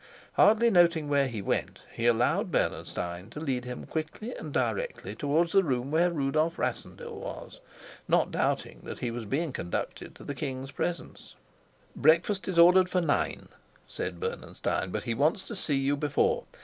Hardly noting where he went, he allowed Bernenstein to lead him quickly and directly towards the room where Rudolf Rassendyll was, not doubting that he was being conducted to the king's presence. "Breakfast is ordered for nine," said Bernenstein, "but he wants to see you before.